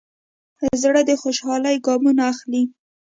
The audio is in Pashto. زړه د خوشحالۍ ګامونه اخلي.